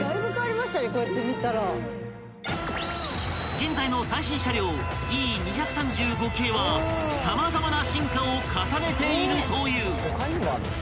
［現在の最新車両Ｅ２３５系は様々な進化を重ねているという］